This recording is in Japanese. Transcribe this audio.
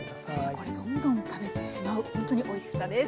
これどんどん食べてしまうほんとにおいしさです。